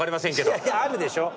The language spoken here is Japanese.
いやいやあるでしょ。